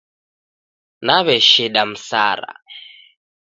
Naw'esheda msara